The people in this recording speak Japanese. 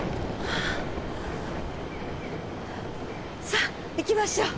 さあ行きましょう。